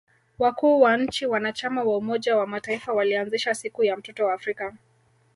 Wakuu wa nchi wanachama wa umoja wa mataifa walianzisha siku ya mtoto wa Afrika